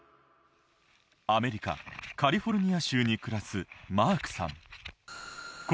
アメリカカリフォルニア州に暮らすマークさん